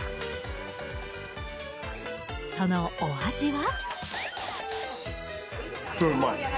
そのお味は？